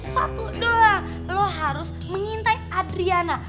satu doang lo harus mengintai adriana